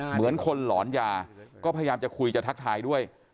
เหมือนคนหลอนยาก็พยายามจะคุยจะทักทายด้วย